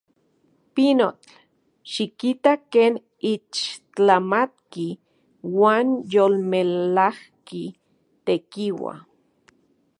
¡Pinotl! ¡Xikita ken ixtlamatki uan yolmelajki tekiua!